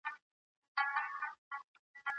پخوا دماغ بې غبرګونه ګڼل کېده.